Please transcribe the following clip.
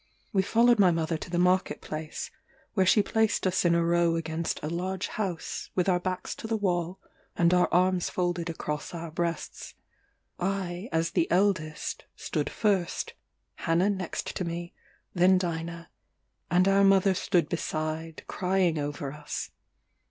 We followed my mother to the market place, where she placed us in a row against a large house, with our backs to the wall and our arms folded across our breasts. I, as the eldest, stood first, Hannah next to me, then Dinah; and our mother stood beside, crying over us.